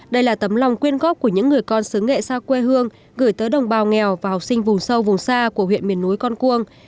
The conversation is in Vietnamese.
đây là tấm lòng quyên góp của những người con xứ nghệ xa quê hương gửi tới đồng bào nghèo và học sinh vùng sâu vùng xa của huyện miền núi con cuông